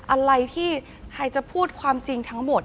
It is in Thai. อะไรที่ใครจะพูดความจริงทั้งหมด